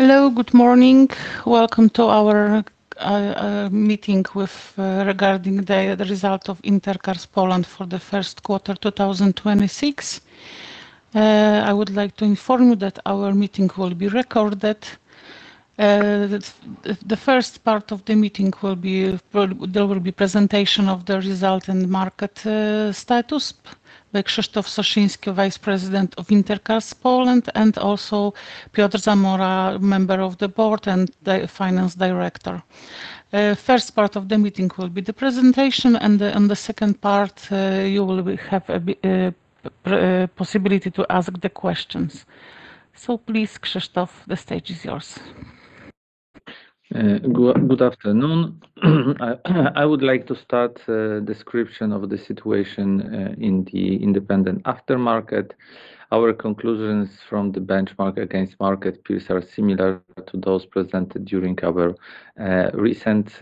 Hello, good morning. Welcome to our meeting regarding the result of Inter Cars Poland for the first quarter 2026. I would like to inform you that our meeting will be recorded. The first part of the meeting will be presentation of the result and market status by Krzysztof Soszyński, Vice President of Inter Cars Poland, and also Piotr Zamora, Member of the Board and the Finance Director. First part of the meeting will be the presentation, and the second part, you will have a possibility to ask the questions. Please, Krzysztof, the stage is yours. Good afternoon. I would like to start a description of the situation in the independent aftermarket. Our conclusions from the benchmark against market peers are similar to those presented during our recent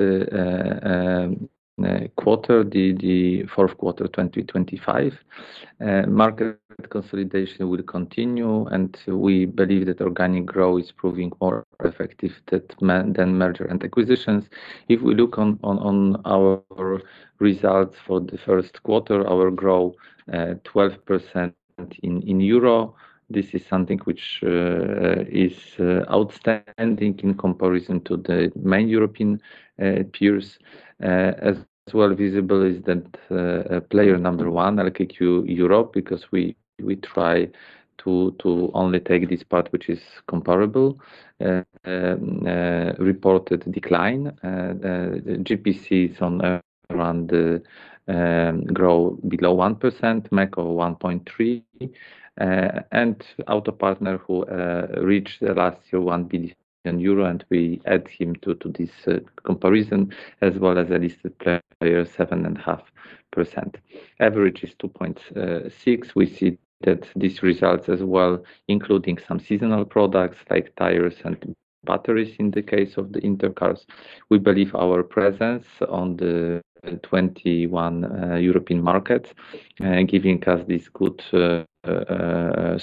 quarter, the fourth quarter 2025. Market consolidation will continue, and we believe that organic growth is proving more effective than merger and acquisitions. If we look on our results for the first quarter, our growth, 12% in EUR. This is something which is outstanding in comparison to the main European peers. As well visible is that player number one, LKQ Europe, because we try to only take this part which is comparable, reported decline. The GPC is on, around, growth below 1%, MEKO 1.3%. Auto Partner who reached last year 1 billion euro, and we add him to this comparison, as well as a listed player 7.5%. Average is 2.6%. We see that these results as well, including some seasonal products like tires and batteries in the case of the Inter Cars. We believe our presence on the 21 European markets giving us this good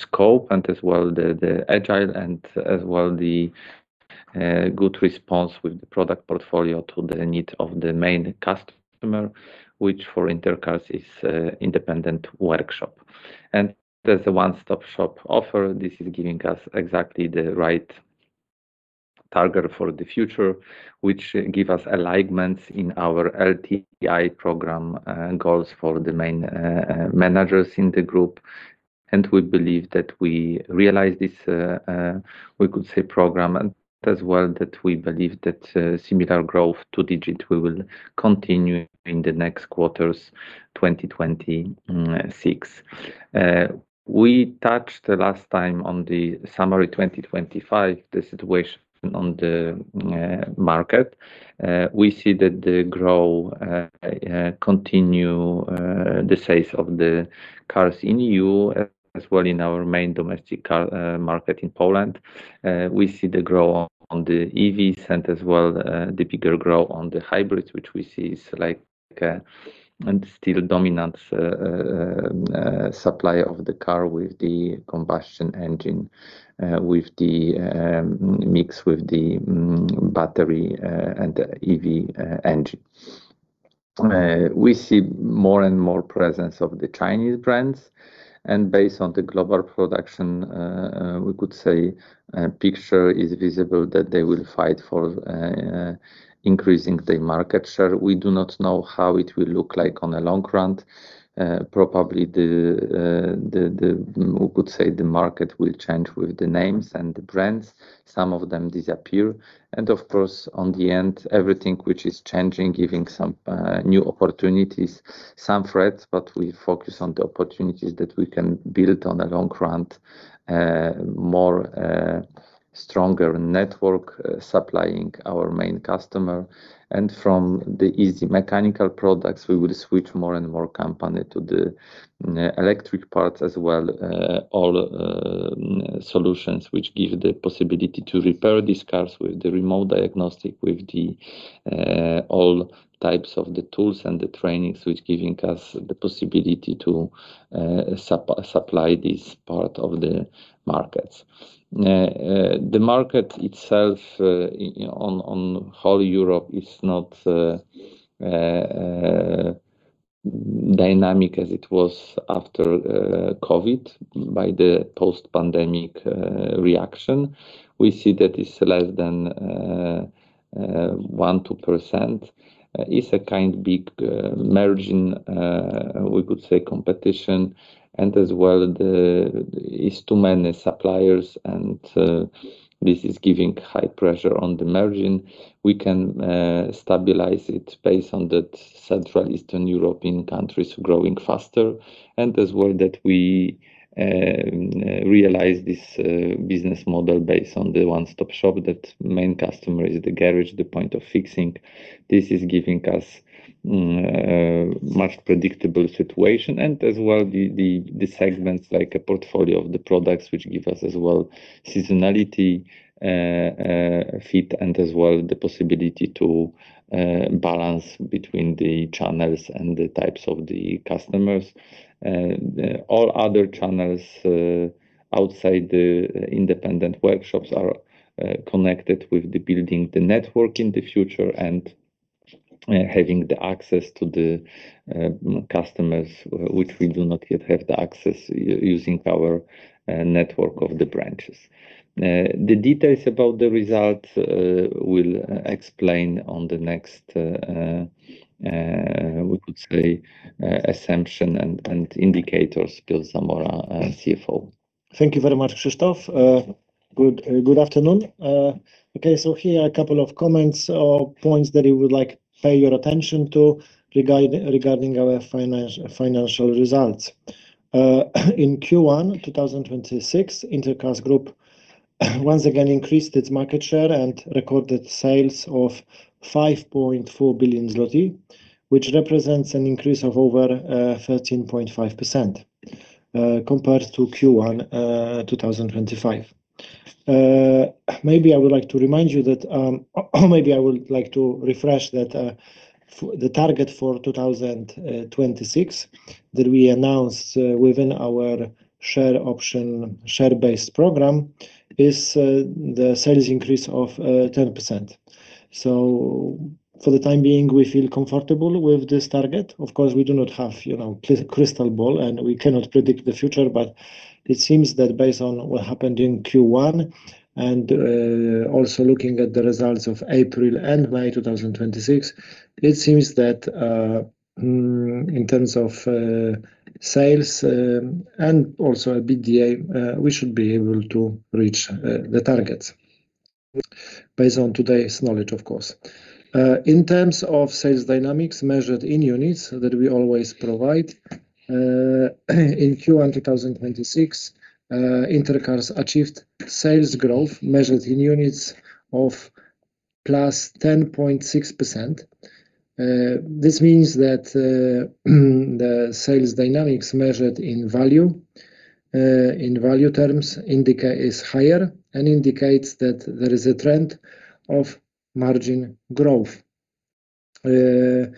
scope and as well the agile and as well the good response with the product portfolio to the need of the main customer, which for Inter Cars is independent workshop. There's a one-stop shop offer. This is giving us exactly the right target for the future, which give us alignments in our LTI program, goals for the main managers in the group. We believe that we realize this, we could say program, and as well that we believe that similar growth, two-digit, we will continue in the next quarters 2026. We touched the last time on the summary 2025, the situation on the market. We see that the growth continue, the sales of the cars in EU, as well in our main domestic car market in Poland. We see the growth on the EVs and as well the bigger growth on the hybrids, which we see is and still dominant supply of the car with the combustion engine with the mix with the battery and EV engine. We see more and more presence of the Chinese brands. Based on the global production, we could say picture is visible that they will fight for increasing their market share. We do not know how it will look like on a long run. Probably the We could say the market will change with the names and the brands. Some of them disappear. Of course, on the end, everything which is changing, giving some new opportunities, some threats, but we focus on the opportunities that we can build on a long run, more stronger network, supplying our main customer. From the easy mechanical products, we will switch more and more company to the electric parts as well. All solutions which give the possibility to repair these cars with the remote diagnostic, with the all types of the tools and the trainings which giving us the possibility to supply this part of the markets. The market itself on whole Europe is not dynamic as it was after COVID by the post-pandemic reaction. We see that it's less than 1%-2%. It's a kind big margin, we could say competition, and as well the It's too many suppliers and, this is giving high pressure on the margin. We can stabilize it based on the Central Eastern European countries growing faster, and as well that we realize this business model based on the one-stop shop that main customer is the garage, the point of fixing. This is giving us much predictable situation and as well the segments like a portfolio of the products which give us as well seasonality fit, and as well the possibility to balance between the channels and the types of the customers. All other channels outside the independent workshops are connected with the building the network in the future and having the access to the customers which we do not yet have the access using our network of the branches. The details about the results, we'll explain on the next, we could say, assumption and indicators. Piotr Zamora, CFO. Thank you very much, Krzysztof. Good afternoon. Here are a couple of comments or points that we would like to pay your attention to regarding our financial results. In Q1 2026, Inter Cars Group once again increased its market share and recorded sales of 5.4 billion zloty, which represents an increase of over 13.5% compared to Q1 2025. Maybe I would like to remind you that maybe I would like to refresh that the target for 2026 that we announced within our share option, share-based program is the sales increase of 10%. For the time being, we feel comfortable with this target. Of course, we do not have, you know, crystal ball, and we cannot predict the future, but it seems that based on what happened in Q1 and also looking at the results of April and May 2026, it seems that in terms of sales and also EBITDA, we should be able to reach the targets based on today's knowledge, of course. In terms of sales dynamics measured in units that we always provide, in Q1 2026, Inter Cars achieved sales growth measured in units of +0.6%. This means that the sales dynamics measured in value, in value terms is higher and indicates that there is a trend of margin growth during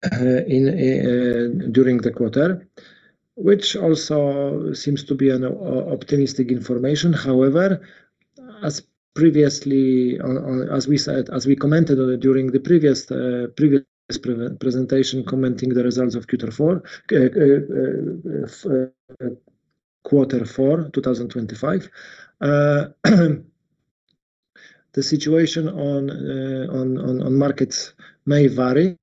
the quarter, which also seems to be an optimistic information. However, as previously as we said, as we commented on it during the previous presentation commenting the results of Q4 2025, the situation on markets may vary,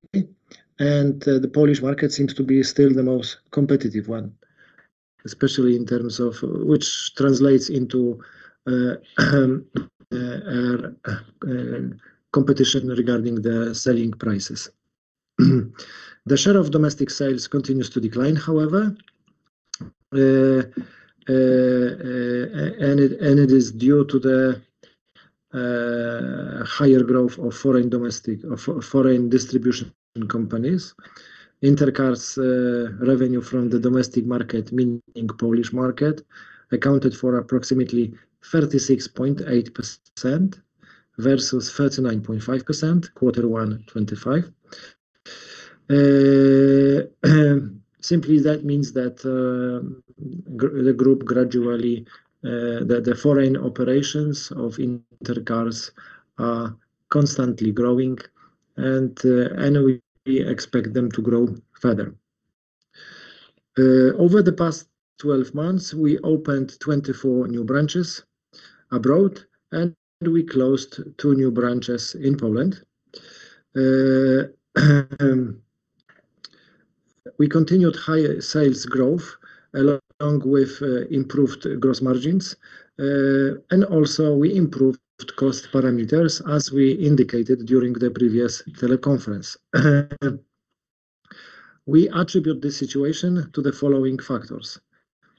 and the Polish market seems to be still the most competitive one, especially in terms of which translates into competition regarding the selling prices. The share of domestic sales continues to decline, however, and it is due to the higher growth of foreign distribution companies. Inter Cars' revenue from the domestic market, meaning Polish market, accounted for approximately 36.8% versus 39.5% Q1 2025. Simply that means that the foreign operations of Inter Cars are constantly growing and we expect them to grow further. Over the past 12 months, we opened 24 new branches abroad, and we closed two new branches in Poland. We continued higher sales growth along with improved gross margins. Also we improved cost parameters as we indicated during the previous teleconference. We attribute this situation to the following factors.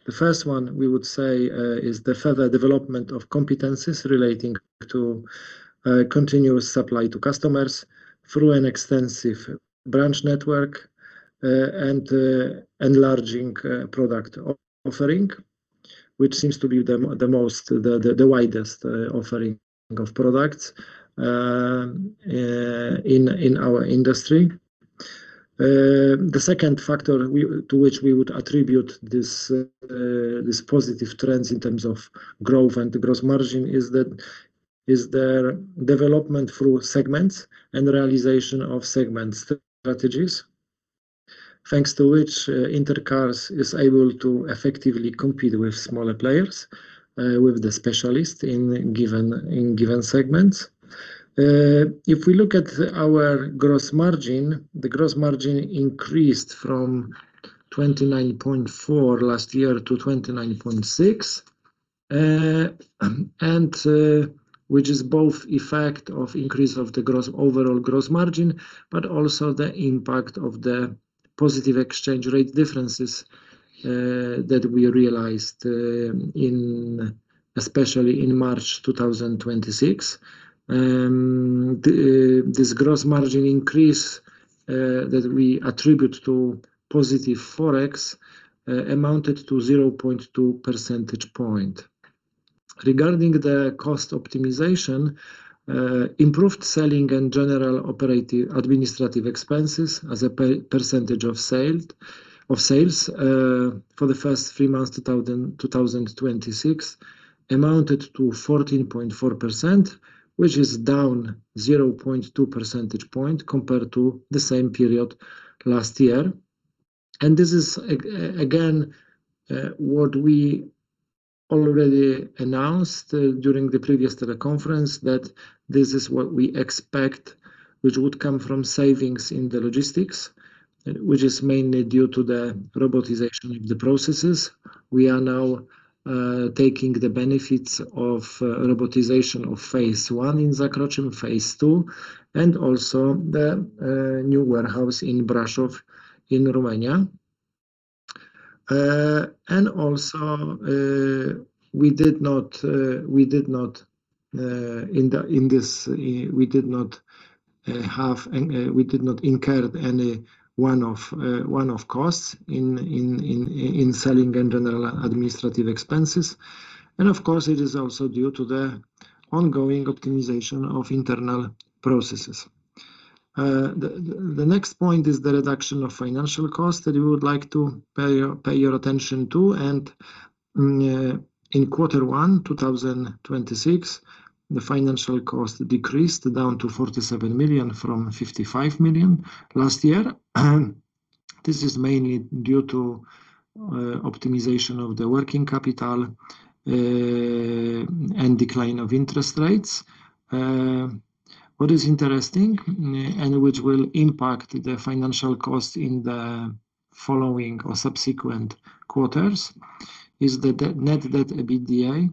The first one we would say is the further development of competencies relating to continuous supply to customers through an extensive branch network, and enlarging product offering, which seems to be the most, the widest offering of products in our industry. The second factor to which we would attribute this positive trends in terms of growth and gross margin is the development through segments and realization of segment strategies, thanks to which Inter Cars is able to effectively compete with smaller players, with the specialists in given segments. If we look at our gross margin, the gross margin increased from 29.4% last year to 29.6%, which is both effect of increase of the gross, overall gross margin, but also the impact of the positive exchange rate differences that we realized especially in March 2026. This gross margin increase that we attribute to positive Forex amounted to 0.2 percentage point. Regarding the cost optimization, improved selling and general operating administrative expenses as a percentage of sales for the first three months 2026 amounted to 14.4%, which is down 0.2 percentage point compared to the same period last year. This is again what we already announced during the previous teleconference, that this is what we expect, which would come from savings in the logistics, which is mainly due to the robotization of the processes. We are now taking the benefits of robotization of phase I in Zakroczym, phase II, and also the new warehouse in Brasov, in Romania. Also, we did not incur any one-off costs in selling and general administrative expenses. Of course, it is also due to the ongoing optimization of internal processes. The next point is the reduction of financial costs that we would like to pay your attention to. In quarter one 2026, the financial cost decreased down to 47 million from 55 million last year. This is mainly due to optimization of the working capital and decline of interest rates. What is interesting, and which will impact the financial cost in the following or subsequent quarters is the Net Debt to EBITDA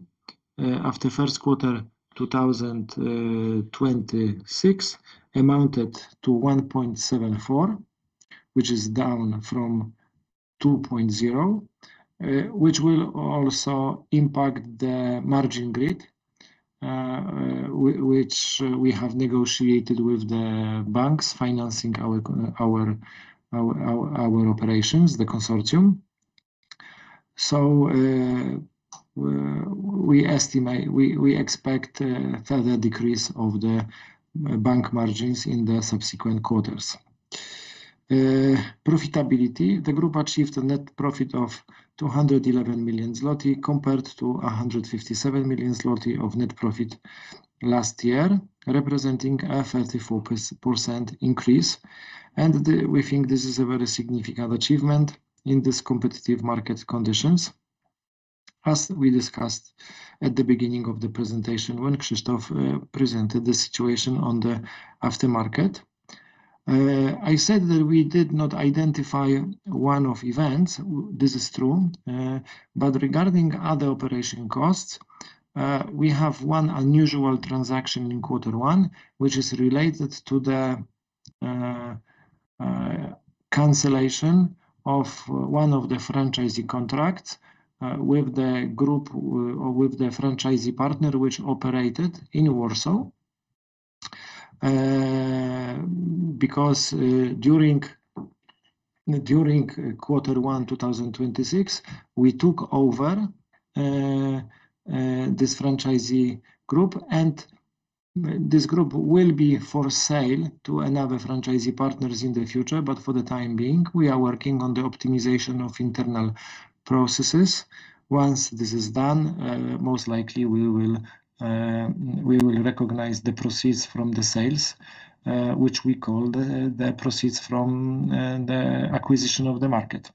after first quarter 2026 amounted to 1.74, which is down from 2.0, which will also impact the margin grid, which we have negotiated with the banks financing our operations, the consortium. We estimate, we expect further decrease of the bank margins in the subsequent quarters. Profitability. The group achieved a net profit of 211 million zloty compared to 157 million zloty of net profit last year, representing a 34% increase. We think this is a very significant achievement in this competitive market conditions. As we discussed at the beginning of the presentation when Krzysztof presented the situation on the aftermarket, I said that we did not identify one-off events. This is true. Regarding other operation costs, we have one unusual transaction in Q1, which is related to the cancellation of one of the franchisee contracts with the group or with the franchisee partner which operated in Warsaw. During quarter one 2026, we took over this franchisee group, and this group will be for sale to another franchisee partners in the future. For the time being, we are working on the optimization of internal processes. Once this is done, most likely we will recognize the proceeds from the sales, which we call the proceeds from the acquisition of the market,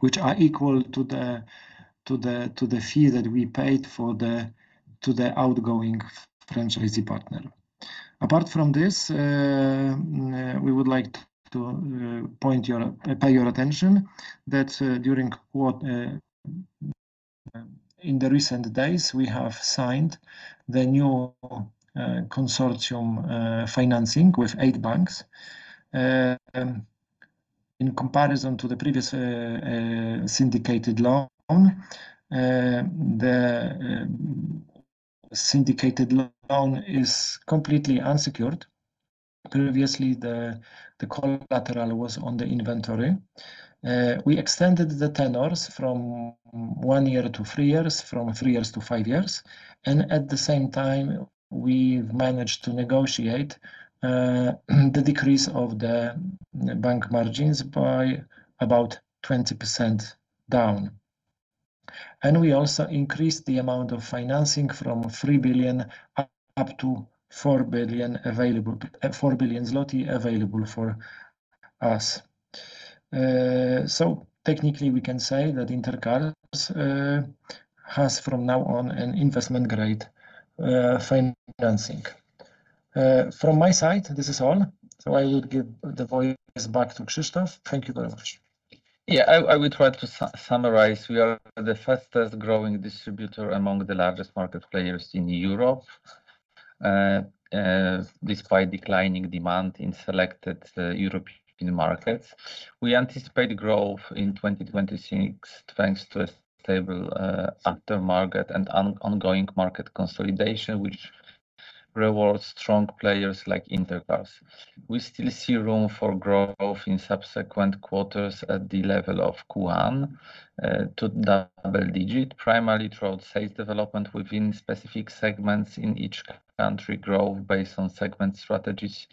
which are equal to the fee that we paid for the outgoing franchisee partner. Apart from this, we would like to pay your attention that in the recent days, we have signed the new consortium financing with eight banks. In comparison to the previous syndicated loan, the syndicated loan is completely unsecured. Previously, the collateral was on the inventory. We extended the tenors from one year to three years, from three years to five years. At the same time, we've managed to negotiate the decrease of the bank margins by about 20% down. We also increased the amount of financing from 3 billion to 4 billion available for us. Technically, we can say that Inter Cars has from now on an investment-grade financing. From my side, this is all. I would give the voice back to Krzysztof. Thank you very much. Yeah, I will try to summarize. We are the fastest growing distributor among the largest market players in Europe. Despite declining demand in selected European markets, we anticipate growth in 2026, thanks to a stable aftermarket and ongoing market consolidation, which rewards strong players like Inter Cars. We still see room for growth in subsequent quarters at the level of Q1 to double-digit, primarily through sales development within specific segments in each country. Growth based on segment strategies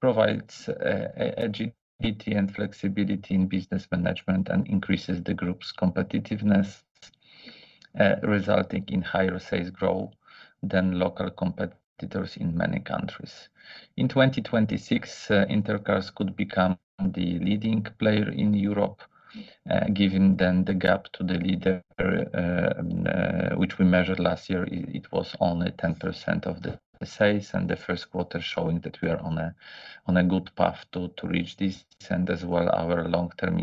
provides agility and flexibility in business management and increases the group's competitiveness, resulting in higher sales growth than local competitors in many countries. In 2026, Inter Cars could become the leading player in Europe, given then the gap to the leader, which we measured last year, it was only 10% of the sales, and the first quarter showing that we are on a good path to reach this, and as well our long-term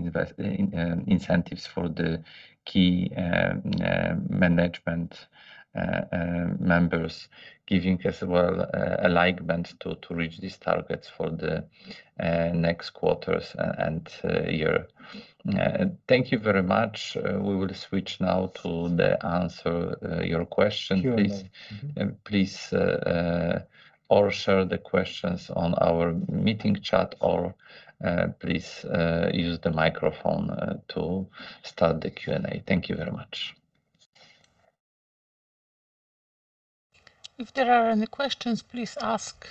incentives for the key management members, giving us, well, alignment to reach these targets for the next quarters and year. Thank you very much. We will switch now to the answer your question. Q&A. Please, or share the questions on our meeting chat or, please, use the microphone to start the Q&A. Thank you very much. If there are any questions, please ask.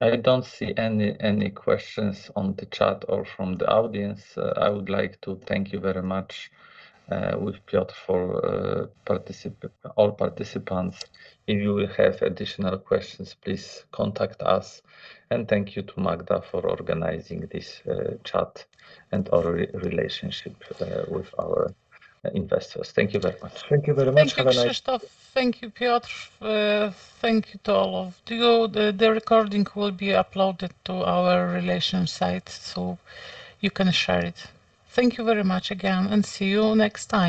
I don't see any questions on the chat or from the audience. I would like to thank you very much with Piotr for all participants. If you will have additional questions, please contact us. Thank you to Magda for organizing this chat and our relationship with our investors. Thank you very much. Thank you very much. Thank you, Krzysztof. Thank you, Piotr. Thank you to all of you. The recording will be uploaded to our relations site, so you can share it. Thank you very much again. See you next time.